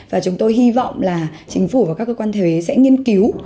và chúng tôi hy vọng là chính phủ và các cơ quan thuế sẽ nghiên cứu